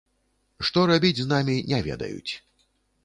Што рабіць з намі, не ведаюць.